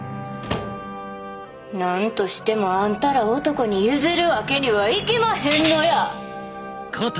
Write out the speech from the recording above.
何としてもあんたら男に譲るわけにはいきまへんのや！